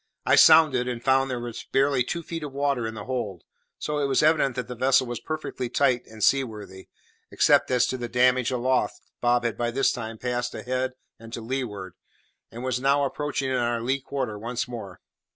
I sounded, and found there was barely two feet of water in the hold, so it was evident that the vessel was perfectly tight and seaworthy, except as to the damage aloft Bob had by this time passed ahead and to leeward, and was now approaching on our lee quarter once more.